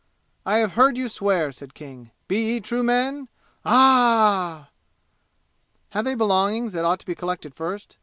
"I have heard you swear," said King; "be ye true men!" "Ah h h!" "Have they belongings that ought to be collected first?"